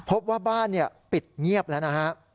พบว่าบ้านปิดเงียบแล้วนะฮะ